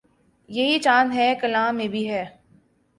یہی چاند ہے کلاں میں بھی ہے